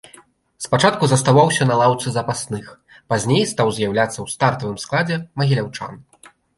Спачатку заставаўся на лаўцы запасных, пазней стаў з'яўляцца ў стартавым складзе магіляўчан.